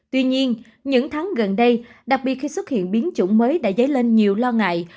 tuy nhiên những tháng gần đây đặc biệt khi xuất hiện biến chủng mới đã dấy lên nhiều lo ngại